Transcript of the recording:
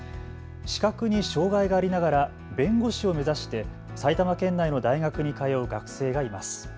視覚に障害がありながら弁護士を目指して埼玉県内の大学に通う学生がいます。